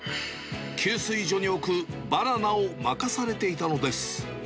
給水所に置くバナナを任されていたのです。